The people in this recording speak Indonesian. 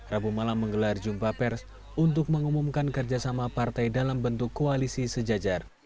rabu malam menggelar jumpa pers untuk mengumumkan kerjasama partai dalam bentuk koalisi sejajar